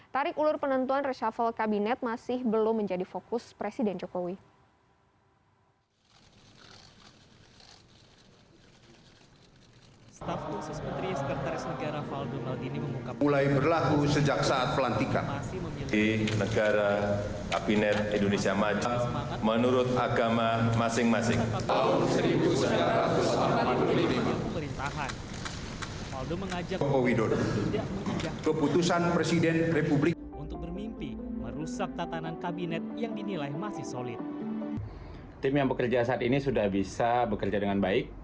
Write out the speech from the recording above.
tarik ulur penentuan reshuffle kabinet masih belum menjadi fokus presiden jokowi